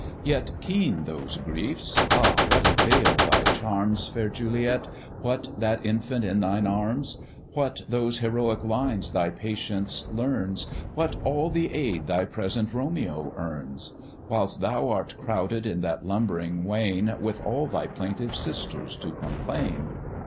Yet keen those griefs ah! what avail thy charms, Fair Juliet! what that infant in thine arms; What those heroic lines thy patience learns, What all the aid thy present Romeo earns, Whilst thou art crowded in that lumbering wain With all thy plaintive sisters to complain?